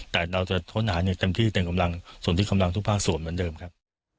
แต่เราจะค้นหาเนี่ยเต็มที่เต็มกำลังส่วนที่กำลังทุกภาคส่วนเหมือนเดิมครับ